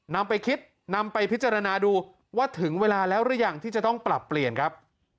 นำไปคิดนำไปพิจารณาดูว่าถึงเวลาแล้วหรือยังที่จะต้องปรับเปลี่ยนครับ